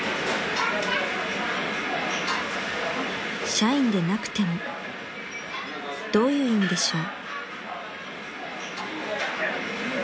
［「社員でなくても」どういう意味でしょう？］